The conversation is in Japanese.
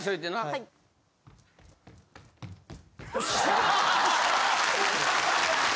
・はい・よし。